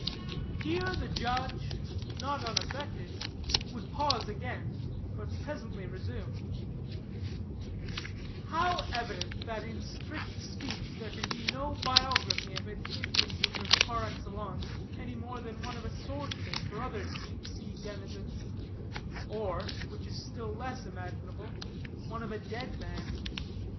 "Here the judge, not unaffected, would pause again, but presently resume: 'How evident that in strict speech there can be no biography of an Indian hater par excellence, any more than one of a sword fish, or other deep sea denizen; or, which is still less imaginable, one of a dead man.